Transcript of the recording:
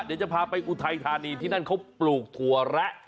เดี๋ยวจะพาไปอุทัยธานีที่นั่นเขาปลูกถั่วแระ